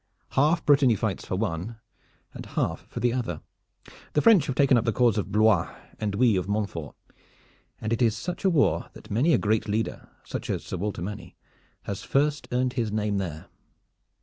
Half Brittany fights for one, and half for the other. The French have taken up the cause of Blois, and we of Montfort, and it is such a war that many a great leader, such as Sir Walter Manny, has first earned his name there.